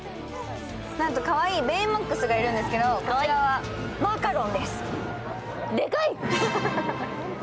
なんと、かわいいベイマックスがいるんですけど、こちらはマカロンです。